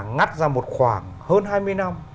ngắt ra một khoảng hơn hai mươi năm